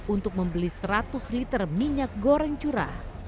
untuk membeli seratus liter minyak goreng curah